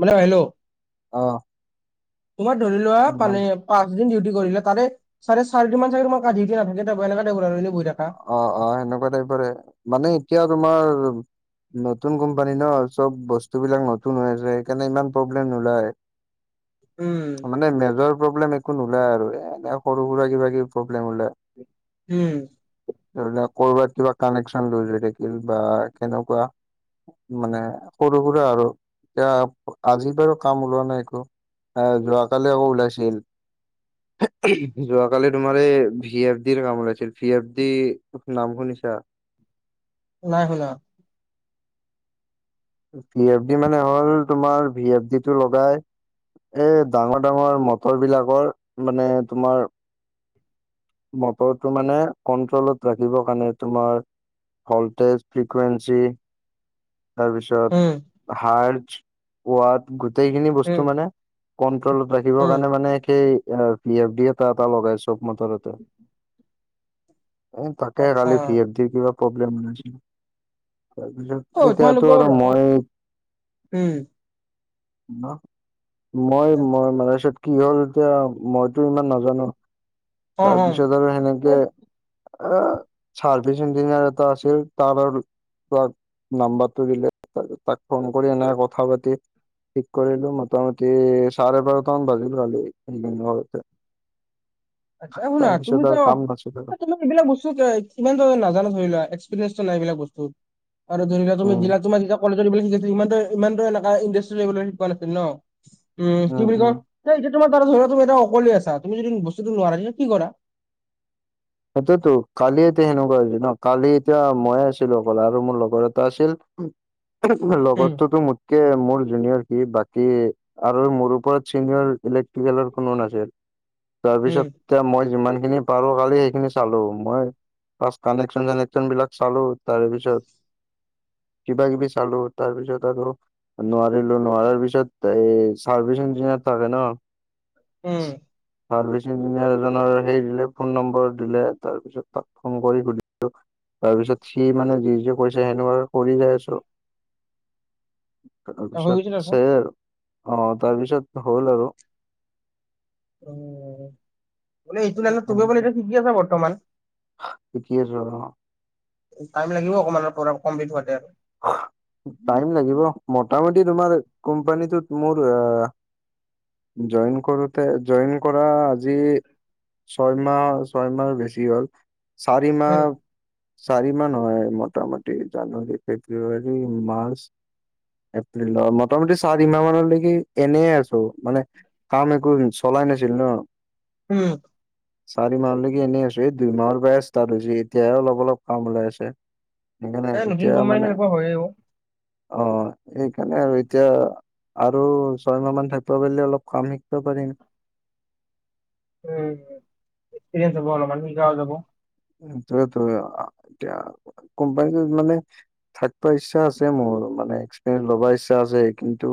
মানে হেল্ল' অ', তোমাৰ ধৰি লোৱা মান পানে পাঁচদিনিউটি কৰিলে তাৰে, চাৰে চিদিন মানাগ তাৰ ডিউট নাাকে, ত একোইবললে বৈ থকা- অ', অ', সেনেকুৱা টাইপৰে মানে এতিয়া তোমাৰ। নতুন কোম্পানী ন, চব বস্তু বিলাক নতুন হৈ আছে সেইকাৰণে ইমান প্ৰব্লেম নোলায়। উম, মানে, মেজৰ প্ৰব্লেম একো নোললে আৰু, এনে সৰু সুৰা কিবা কিবি প্ৰব্লেম হওলে উম, কৰ'ৰবাত কিবা, কানেকচন লৈ যৈ থাকিল বা কেনেকুৱা মানে সৰু সুৰা আৰু এতিয়া আজি বাৰু কাম ওলোৱা নাই একো আহ যোৱাকালি আকৌ ওলাইছিল যোৱা। কালি তোমাৰ, এই ভি এফ ডিৰ কাম ওলাইছিল ভি এফ ডি নাম শুনিছা নাই শুনা। ভি এফ ডি মানে হ'ল তোমাৰ ভি এফ ডি টো লগাই এ, ডাঙৰ ডাঙৰ মটৰ বিলাকৰ মানে, তোমাৰ মটৰটো মানে, কন্ট্ৰলত ৰাখিবৰ কাৰণে তোমাৰ ভল্টেজ ফ্ৰিকুৱেন্ঞ্চি উম তাৰপিছত হাৰজ ৱাত গোটেইখিনি বস্তু মানে, কন্ট্ৰলত ৰাখিবৰ উম কাৰণে মানে সেই এ। পি এফ ডি এটা এটা লগাই চব মটৰত উ, এই তাকে কালি ভি এফ দিৰ কিবা প্ৰব্লেম অ তাৰপিছত এতিয়াতো তোমালোকৰ আৰু মই উম মই মই মালছত কি হ'ল এতিয়া মইতো ইমান নাজানো অ তাৰপিছত আৰু অ সেনেকে এ চাৰ্ভিচ ইঞ্জিনিয়াৰ এটা আছিল তাৰ আৰু, তাৰ নাম্বাৰটো দিলে, তাক ফোন কৰি এনে কথা পাতি- ঠিক কৰিলো। মোটামুটি চাৰে বাৰটামান বাজিব কালি ঘৰতে। আচ্ছা শুনা, তুমি তাৰপিছত ত আৰু কাম নাছিল আৰু ত, এইবিলাক বস্তুত কিমানো নাজানো ধৰি লোৱা, এক্সপিৰিয়েঞ্চ নাই এইবিলাক বস্তুত। আৰু ধৰি লোৱা তুমি উম তোমাৰ যেতিয়া কলেজত এইবিলাক শিকাইছিলে ইমান, ইমান এটা ইনটাষ্ট দি শিকোৱা নাছিল ন'? উম্, কি উম বুলি কয়, উম এতিয়া তোমাৰ তুমি ধৰা। তুমি এটা অকলে আছা, তুমি যদি বস্তুটো নোৱাৰা তেতিয়া কি কৰা? সেইটোতো, কালি এতিয়া সেনেকুৱা হৈছে ন' কালি এতিয়া ময়ে আছিলো অকল আৰু মোৰ লগৰ এটা আছিল। উম, লগৰটোতো মোতকে মোৰ জুনিয়ৰ কি বাকী আৰু মোৰ ওপৰত চিনিয়ৰ ইলেক্ট্ৰিকেলৰ কোনো নাছিল। তাৰ উম, পিছত এতিয়া মই যিমান খিনি পাৰো কালি খিনি চালো, মই ফাৰ্ষ্ট কানেকচন চানেকচন বিলাক চালোঁ তাৰে পিছত কিবা কিবি চালো তাৰ পিছত আৰু নোৱাৰিলো, নোৱাৰাৰ পিছত এই চাৰ্ভিচিং ইঞ্জিনিয়াৰ এটা আছে ন' উম্। চাৰ্ভিচিং ইঞ্জিনিয়াৰ এজনৰ হেৰি দিলে, ফোন নম্বৰ দিলে। তাৰ পিছত তাক ফোন কৰি সুধিলো। তাৰ পিছত সি মানে যি যি কৈছে, সেনেকুৱা কৰি যাই আছোঁ। ত' হৈ তাৰপিছত গৈছে তাৰপিছত সেয়াই আৰু। অ', তাৰপিছত হ'ল আৰু। উম্। মানে এইটো নাইন তুমিও মানে এটিয়া সেনেকে শিকি আছা বৰ্তমান? শিকি আছো আৰু টাইম লাগিব অকমান পৰা কমপ্লিট হোৱাতে আৰু। টাইম লাগিব, মোটামুটি তোমাৰ কোম্পানীটোত মোৰ এ জইন কৰোতে, জইন কৰা আজি ছয়মাহ, ছয়মাহ বেছি হ'ল, চাৰি মাহ উম, চাৰিমাহ নহয়, মোটামুটি জানুৱাৰী ফেব্ৰুৱাৰী মাৰ্চ এপ্ৰিলত, মোটামুটি চাৰিমাহ মানলৈকে এনেই আছো। মানে কাম একো চলাই নাছিল ন'? উম্। চাৰি মাহলৈকে এনেই আছোঁ। এই দুইমাহৰ পৰা ষ্টাৰ্ট হৈছে, এতিয়াহে অলপ অলপ কাম ওলাই আছে। সেইকাৰনে এই নতুন এতিয়া কোম্পানী মানে সেনেকুৱা হয়ে অ', অ', সেইকাৰণে আৰু এতিয়া আৰু ছয়মাহ মান থাক থাকিব পাৰিলে, অলপ কাম শিকিব পাৰিম। উম্, শিকিয়ে যাব, অলপমান শিকোৱা যাব। ত', ত' কোম্পানী মানে থাকিব ইচ্ছা আছে মোৰ, মানে এক্সপিৰিয়েন্ঞ্চ ল'ব ইচ্ছা আছে কিন্তু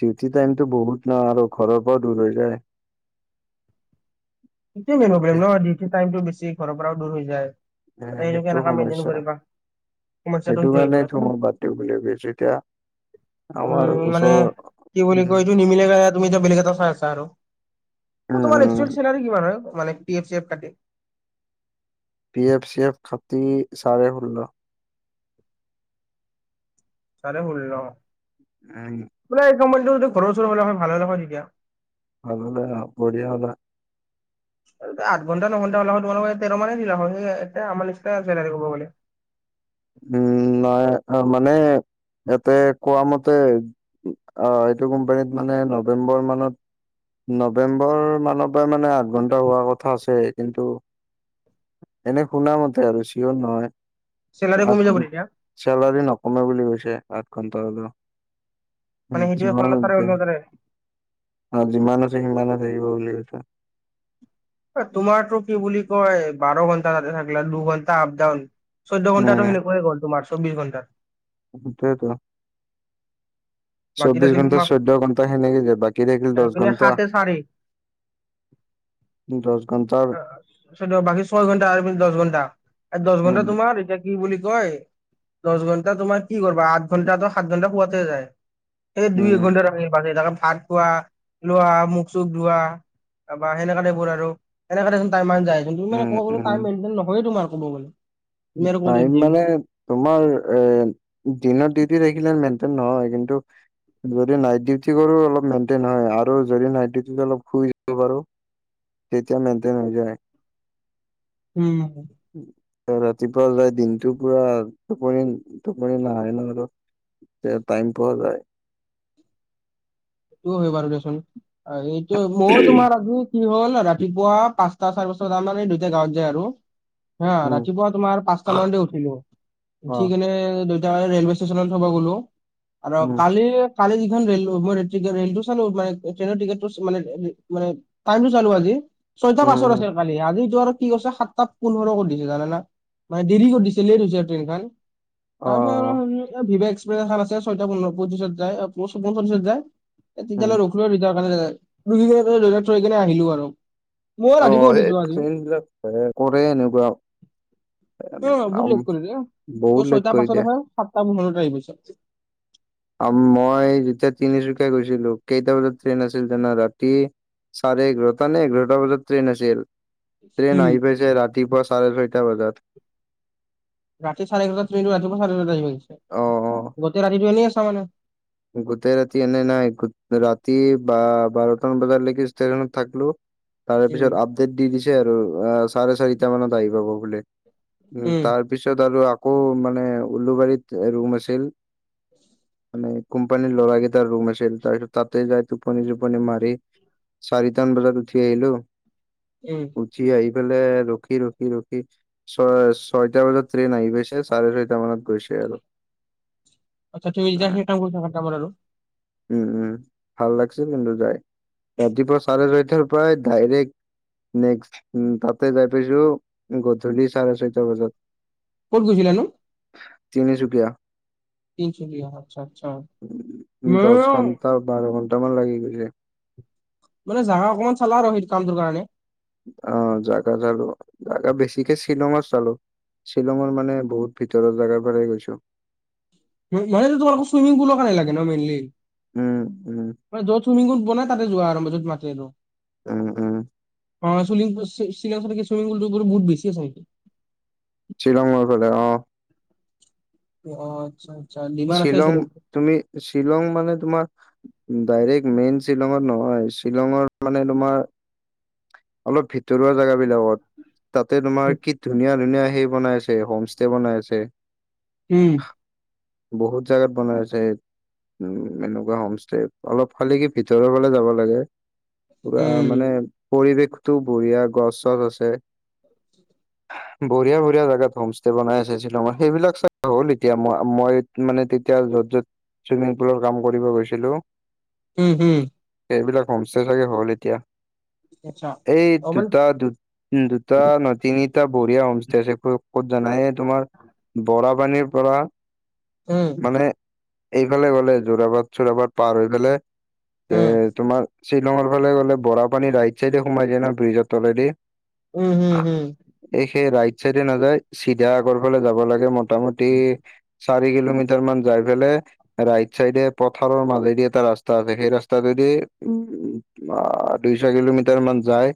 ডিউটি টাইমটো বহুত না আৰু ঘৰৰ পৰাও দূৰ হৈ যায়। সেইটোৱে মেইন এ প্ৰব্লেম ন', দিউটিৰ টাইমটো বেছি। ঘৰৰ পৰাও দূৰ হৈ যায়। তাতে এ সেইটো কেনেকা মেইনটেইন সমস্যা, কৰিবা সমস্যাটো সেইটো আহি পৰে কাৰণেটো মই বাদ দিওঁ বুলি ভাবিছোঁ এতিয়া আমাৰ উম্, মানে ওচৰ কি বুলি উম কয় এইটো। নিমিলে গাইত তুমি এতিয়া বেলেগ এটা চাই আছা আৰু। তোমাৰ উম এক্সুৱেল চেলাৰী কিমান হয় মানে পি এফ চি এফ কাটি? পি এফ চি এফ কাতি চাৰে ষোল্ল। চাৰে ষোল্ল? উম্। বোলে এই কোম্পানীটো ঘৰৰ ওচৰত হ'লে, ভালে হয় তেতিয়া। ভালে হলে‌ হয়, বঢ়িয়া। আঠ ঘণ্টা নঘণ্টা ওলা হয়, তোমালোকে তেৰ মানে দিলা হয়, সেই এ আমাৰ নিচিনা চেলাৰী কব'লে উম্, নাই মানে ইয়াতে কোৱা মতে, অ', এইটো কোম্পানীত মানে নৱেম্বৰ মানত নৱেম্বৰ মানৰ পৰা মানে আঠ ঘণ্টা হোৱাৰ কথা আছে, কিন্তু এনে শুনা মতে আৰু চিয়ৰ নহয়। চেলাৰী আঠ কমি যাব ঘন তেতিয়া চেলাৰী নকমে বুলি কৈছে, আঠ ঘণ্টা হলেওঁ। আ, মানে সেইটোৱে ষোল্ল চাৰে জমতে ষোল্ল হাজাৰে আ, যিমান আছে সিমানে থাকিব বুলি কৈছে। তোমাৰটো কি বুলি কয়, বাৰ ঘন্টা তাতে থাকিল দুঘণ্টা আপ ডাউন। চৈধ্য উম ঘণ্টাটো সেনেৈ গল তোমাৰ চববিছ ঘণ্টা সটয়তো বাকী চৌবিশ থাকিল ঘন্টা তোমাৰ চৈধ্যয় ঘন্ণ্টাখিনি য বাকী থাকিল দশ এইপিনে ঘণ্টা সাতে চাৰি ৰজগন্তাৰ সেইটো বাকী ছয় ঘণ্টা আৰুি দহ ঘণ্টা দচ ঘণ্টা উম তোমাৰ এতিয়া কি বুলি কয় দচ ঘন্টা তোমাৰ কি কৰিবা আঠ ঘন্টা সাত ঘন্টা পোৱাতে যায় এয়া দুই উম এঘণ্টা লে ভাত খোৱা লোৱা মুখ চুখ ধোৱা বা সেনেকা দেবোৰ আৰু সনেকাে দেোনাই কিু উম উম ক'বলে নয় তোমাৰ ক' গ'লে তুমি আৰু ক'ত টাইম জিম মানে তোমাৰ এ দিনত ডিউটি থখিলে মেনটেইন নহয় কিন্তু যদি নাইট ডিউটি কৰো অলপ মেইনটেইন হয় আৰু যদি নাইট ডউটি অলপ শুই য বাৰু তেতিয়া মেনটেইন হৈ যায় উম ৰাতিপুৱা যাই দিনটো পুৰা টোপনি টোপনি নাহায় ন আৰু তে টাইম পোৱা যায় এইটো হয় বাৰু দেিয়চোন এইটো মইো তোমাৰ আজি কি হ'ল ৰাতিপুৱা পাঁচটা চাৰি বছত আাৰ দুইটটা গাঁৱত যায় আৰু হা উম ৰাতিপুৱা তোমাৰ পাঁচটা মানতে উঠিলো অ উঠি কেনে তি ৰেলৱে ষ্টেচনত থ'ব গ'লো আৰু উম কালি কালি যিখন ৰেল মই ৰেল টো চালো মানে ট্ৰেইনৰ টিকেটটো মানে ম টাইম টো চালো আজি ছয়টা পাছৰ উম আছে কালি আজি যোৱাৰ কি কৰিছে সাতটা পোন্ধৰ কৰি দিছে জানোনা মানে দেৰি কৰি দিছে লেট হৈছে ট্ৰেইনখন অ তাৰপিছত ভিভা এক্সপ্ৰেছ এখন আছে ছয়টা পোন্ধ পঁত্ৰিছত যায় পঞ্চল্লিছত যায় উম তিয়ালৈ ৰখিলো আৰুতিাৰ কাৰণখি থৈ কিনে আহিলো আৰু মই অ ৰাতিপুৱা এই উঠিছো আজি ট্ৰেইন বিলাক কৰে এনেকুৱা অ বু লেট কৰি দে বহুত তই লেট ছয়টাাৰ কৰি পাছত দিয়ে আহ সাতটা পোন্ধৰ আহি পিছ মই যেতিয়া তিনিচুকীয়া গৈছিলো কেইটা বজাত ট্ৰেইন আছিল আছিল ৰাতি চাৰে এঘাৰটা নে এঘাৰটা বজাত ট্ৰেইন আছিল ট্ৰেইন উম অহ পেলছে ৰাতিপুৱা চাৰে ছৈটা বজাত ৰাতি চাৰে এঘাৰটা ট্ৰেইনটো ৰাতিপুৱা চাৰে এঘাৰটা আহি অ অ গৈছে গোটেই ৰাতিটো এনেই আছা মানে গোটেই ৰাতি এনে নাই ৰাতি বা বাৰটান বজালৈকে ষ্টেশচনত থাকলো তাৰে উম পিছত আপডেট দি দিছে আৰু আহ চাৰে চাৰিটা মানত আহ পাব খোলে উম তাৰ তাৰপিছত আৰু আকৌ মানে উলুবাৰীত ৰুম আছিল মানে কোম্পানীৰ ল'ৰাকেইটাৰ ৰুম আছিল তাৰপিছত তাতে যাই টোপনি টোপনি মাৰি চৰিতন বজাত উঠি আহলো উম বজি অহি পেলাই ৰখি ৰখি ৰখি ছয় ছয়টা বজাত ্ৰেইন আহি গৈছে চাৰে ছয়টা মানত গৈছে আৰু আচ্ছ তুমি যা সেই কা তামাৰ আৰু উম উম ভাল লাগছে কিন্তু যাই ৰাতিপুৱা চাৰে ছয়টাৰ পৰাায় ডাইৰেক্ট নেক্সট উ তাতে যাই পাইছো গধূলি চাৰে ছয়টা বজাত ক'ত গৈছিলা নো তিনি চুকীয়া [unintelligible] অ', আচ্ছা আচ্ছা। উম, দশ মইও ঘণ্টা, বাৰ ঘণ্টা মান লাগি গৈছে। মানে জেগা অকমান চালা আৰু সেইটো কামটোৰ কাৰণে। অ', জাগা চালো, জাগা বেছিকে শ্বিলংৰ চালো। শ্বিলঙৰ মানে বহুত ভিতৰৰ জেগাৰ পৰাই গৈছো। মানে য়াতেতো তোমোক ছুইমিং পুলৰ কাৰণে লাগে ন মেইলি? উম, উম, মানে য'ত ছুইমিং পুল বনাই তাতে যোৱা আৰম্ভ য'ত মাতে ন'। উম, উম, অ', শ্বিলং চাইডে ছুইমিং পুলটো বহুত বেছি আছে নেকি? শ্বিলঙৰ ফালে অ', অ', আচ্ছা আচ্ছা, নিমাৰ আছে সেই শ্বিলং চাইডতে। তুমি, শ্বিলং মানে তোমাৰ ডাইৰেক্ট মেইন শ্বিলঙত নহয়, শ্বিলঙৰ মানে তোমাৰ অলপ ভিতৰুৱা জেগা বিলাকত, তাতে তুমাৰ কি ধুনীয়া ধুনীয়া সেই বনাই আছে হোম ষ্টে বনাই আছে, উম বহুত জেগাত বনাই আছে। উম, এনেকুৱা হোম ষ্টে অলপ খালী কি ভিতৰৰ ফালে যাব লাগে। পোৰা মানে উম পৰিৱেশটো বঢ়িয়া, গছ চছ আছে। [inaudible] বঢ়িয়া, বঢ়িয়া, জাগাত হোম ষ্টে বনাই আছে শ্বিলঙত, সেইবিলাক চাই হল, এতিয়া মই মই মানে তেতিয়া য'ত য'ত ছুইমিং পুলৰ কাম কৰিব গৈছিলোঁ উম, হুম। এইবিলাক হোমচে চাগে হ'ল এতিয়া। আচ্ছা। এই অকমান দুটা দু দুটা নহয়, তিনিটা বঢ়িয়া হোম ষ্টে আছে, ক'ত জানা এই তোমাৰ বৰা পানীৰ পৰা উম মানে এইফালে গলে যোৰাবাট চোৰাবাট পাৰ হৈ গৈলে এ উম তোমাৰ শ্বিলঙৰ ফালে গ'লে বৰা পানী ৰাইট চাইডে সোমাই যায় ন ব্ৰিজৰ তলেদি উম, হুম, হুম এই সেই ৰাইট চাইডে নাযায়, চিধা আগৰ ফালে যাব লাগে, মোটামুটি চাৰি কিলোমিটাৰ মান যাই পেলাই ৰাইট চাইডে পথাৰৰ মাজেদি এটা ৰাস্তা আছে, সেই ৰাস্তাটো দি অ, দুই চাৰি কিলোমিটাৰ মান যাই,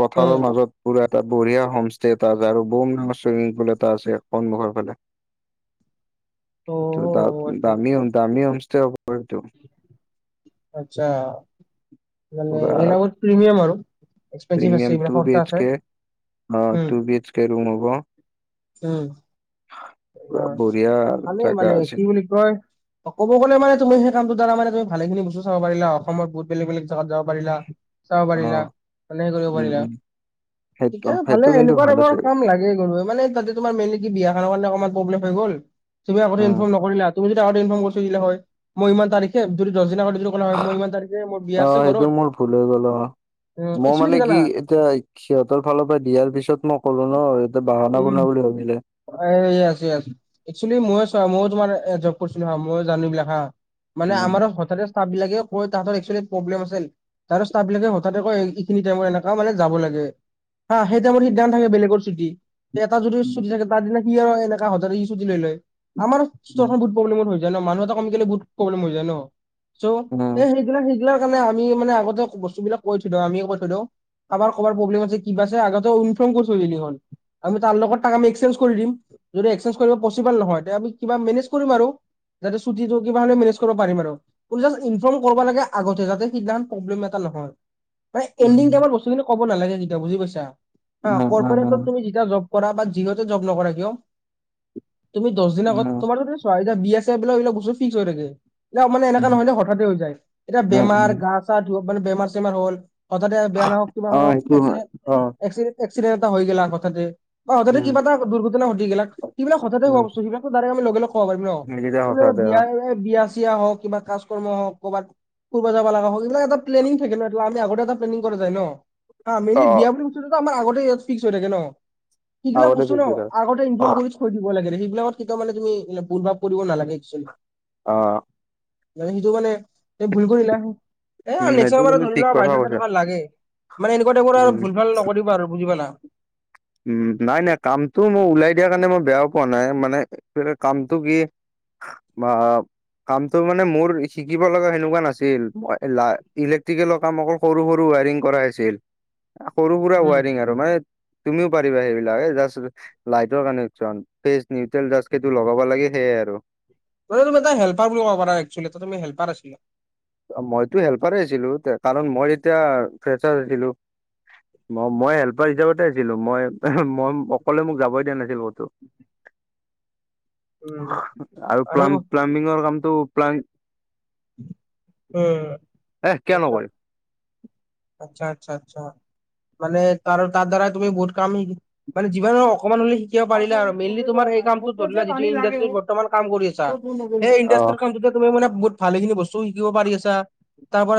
পথাৰৰ উম মাজত পুৰা এটা বঢ়িয়া হোমষ্টে এটা আছে আৰু বম ডাঙৰ ছুইমিং পুল এটা আছে সন্মুখৰ ফালে [inaudible] আচ্ছা দামী দামী হমষ্টে আচ্ছা মানে এলাগত প্ৰিমিয়ম আৰু এক্সপেঞ্চিভ আছে প্ৰিমিয়ম এইবিলাক টু বি খৰচা এইচ আছে। কে, অ', উম, two B H K room হ'ব। উম, পুৰা বঢ়িয়া ভালে জাগা মানে কি আছিল। বুলি কয় ক'ব গলে মানে তুমি সেই কামটো দাৰা মানে তুমি ভালেখিনি বস্তু চাব পাৰিলা, অসমৰ বহুত বেলেগ বেলেগ জাগাত যাব পাৰিলা। চাব অ', পাৰিলা [unintelligible] কৰিব উম, পাৰিলা। উম, সেইটো ঠিকে সেইটো ভালে কিন্তু এনেকুৱা ভাল টাইপৰ আছিল কাম লাগে [unintelligible] মানে তাত যে তোমাৰ মেইনলি কি বিয়া খনৰ কাৰণে অকমান প্ৰব্লেম হৈ গ'ল, তুমি আগতে উম। ইনফৰ্ম নৰিলা। তুমি যদি আগতে ইনফৰ্ম কৰি থৈ দিলা হয়, মই ইমান তাৰিখে যদি দশ দিন আগতে যদি ক'লা হয়, মই অ', ইমান তাৰিখে মোৰ বিয়া আছে সেইটো ঘৰত। মোৰ ভুল হৈ গ'ল অ', উম, মই একচুৱেলি মানে জানা? কি এতিয়া সিহঁতৰ ফালৰ পৰা দিয়াৰ পিছত মই কলো ন' সিহঁতে বাহানা বনোৱা বুলি ভাবিলে। এই যে আছে আছে, একচুৱেলি মই চোৱা ময়ো তোমাৰ এ জব কৰিছিলোঁ হা, মইও জানো এইবিলাক হা মানে উম, আমাৰ হঠাতে ষ্টাফ বিলাকে কয় তাহঁতৰ একচুৱেলি প্ৰব্লেম আছিল তাৰে ষ্টাব বিলাকে হঠাতে কয়, এইখিনি টাইমতে এনেকুৱা, মানে যাব লাগে। হা, সেই টাইমথ সিদ্ধান্ত থাকে বেলেগৰ চুটি, এটা যদি উম, চুটি থাকে তাৰ দিনা সি হয় [unintelligible] উম, আৰু [unintelligible] প্ৰব্লেমত হৈ যায় ন মানুহ এটা কমি গ'লে বহুত প্ৰব্লেম হৈ যায় ন চ' উম, এই সেইগিলাক [unintelligible] সিহঁতৰ কাৰণে আমি মানে আগতে বস্তুবিলাক কৰি থৈ দিওঁ, আমি কৈ থৈ দিওঁ। কাবাৰ কবাৰ প্ৰব্লেম আছে, কিবা আছে আগতে ইনফৰ্ম কৰি থৈ দিলে হ'ল। আমি তাৰ লগত তাক আমি এক্সেঞ্জ কৰি দিম। যদি এক্সেঞ্জ কৰিব পচিবল নহয় তে, আমি কিবা মেনেজ কৰিম আৰু। যাতে ছুটিটো কিবা হ'লে মেনেজ কৰিব পাৰিম আৰু। [unintelligible] ইনফৰ্ম কৰিব লাগে আগতে যাতে সিদিনাখন প্ৰব্লেম এটা নহয়। এনডিং উম। টাইমত বস্তুখিনি ক'ব নালাগে কেতিয়াও বুজি পাইছা হা উম, উম, উম, কৰ্পৰেটত তুমি জব কৰা বা যিহতে জব নকৰা কিয়, তুমি দহ দনৰ উম, আগত তোমাৰো হয় এতিয়া বিয়া চিয়া বিলাক এতিয়া বস্তুটো ফিক্স হৈ থাকে। মানে এনেকা নহয় ন উম, হঠাতে হৈ যায় এতিয়া বেমাৰ উম, উম। গা চা ধু- মানে বেমাৰ চেমাৰ হ'ল। হঠাতে বেয়া নহওক কিবা অ', নহ‌ওক সেইটো হয় এক্- অ', এক্সিডেণ্ট এটা হৈ গেলাক হঠাতে বা হঠাতে উম, কিবা এটা দুৰ্ঘটনা ঘটি গেলাক এই বিলাক হঠাৎ হোৱা উম, বস্তু এই বিলাক টো ধাইৰেক আমি লগা লোগ পাৰিম ন সেইকেইটা বোলে সঁচাতে অ'। বিয়া- বিয়া চিয়া হওক কিবা কাজ কৰ্ম হওক কবাত ফুৰবা যাবা লগা হওক এইবিলাক এটা প্লেনিং থাকে ন এইটো আমি আগতে এটা প্লেনিং কৰা যায় ন। হা, মেইনলী বিয়া অ', বোলা বস্তুটো আমৰ আগতে ইয়াত ফিক্স হৈ থাকে ন? এইগিলাক আগতে বস্তু ন দিছিল। আগতে ইনফৰ্ম কৰিছ থৈ দিব লাগে সেইবিলাকত কেতিয়া মানে ভূল ভাৱ কৰিব নালাগে এক্সয়েলি অ'। সিটো মানে ভুল কৰিলে এ উম, এইটো আৰু কিন্তু ধৰি ঠিক কথা কৈছা লোৱা [unintelligible] লাগে। মানে এনেকুৱা টাইপৰ আৰু উম। ভুল ভাল নকৰিবা আৰু বুজি পালা। উম, নাই নাই কামটো মই উলাই দিয়া কাৰণে মই বেয়াও পোৱা নাই মানে কামটো কি বা কামতটোৰ মানে মোৰ শিকিব লগা সেনেকুৱা নাছিল মই-লা- ইলেক্ট্ৰিকেলৰ কাম অকল সৰু সৰু ৱাৰিং কৰা আছিল। [inaudible] সৰু সুৰা উম ৱাৰিং আৰু মানে তুমিও পাৰিবা সেইবিলাক এই যাষ্ট লাইটৰ কানেকচন ফ্ৰেজ নিউট্ৰেল [unintelligible] লগাব লাগে সেইটোৱেই আৰু। ত তুমি [unintelligible] হেল্পাৰ আছিলা। মইতো হেল্পাৰে আছিলোঁ কাৰণ মই যেতিয়া ফ্ৰেচাৰ হৈছিলোঁ। ম- মই হেল্পাৰ হিচাপতে আছিলোঁ, মই মই অকলে মোক যাবই দিয়া নাছিল কতো। [inaudible] উম আৰু প্লাম-প্লাম্বিঙৰ কামটো প্লাম অ'। এহ কিয় নকৰিম? আচ্ছা, আচ্ছা, আচ্ছা মানে তাৰ তাৰ দ্বাৰাই তুমি বহুত কাম শিকি মানে যিমান অকণমান হলে শিকিব পাৰিলে আৰু মেইনলি তোমাৰ এই কামটোত ধৰি লোৱা যিটো ইণ্ডাষ্ট্ৰিত বৰ্তমান কাম কৰি আছা সেই অ ইণ্ডাষ্ট্ৰিৰ কামটোতে তুমি মানে বহুত ভালেখিনি বস্তু শিকিব পাৰি আছা তাৰ পৰা